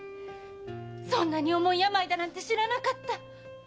そんなに重い病だなんて知らなかった！